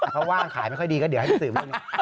เพราะว่าขายไม่ค่อยดีก็เดี๋ยวให้สืบ